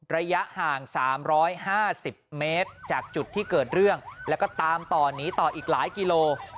ระยะห่าง๓๕๐เมตรจากจุดที่เกิดเรื่องแล้วก็ตามต่อหนีต่ออีกหลายกิโล